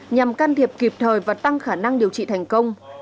nhằm can thiệp kịp thời và tăng khả năng điều trị thành công